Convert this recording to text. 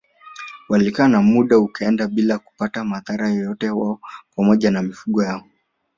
Walikaa na muda ukaenda bila kupata madhara yoyote wao pamoja na mifugo yao